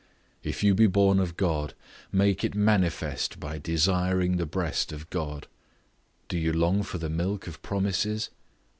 If you be born of God, make it manifest by desiring the breast of God. Do you long for the milk of promises?